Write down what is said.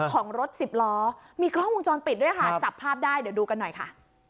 ของรถสิบล้อมีกล้องวงจรปิดด้วยค่ะจับภาพได้เดี๋ยวดูกันหน่อยค่ะ